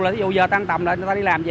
là ví dụ giờ tăng tầm là ta đi làm gì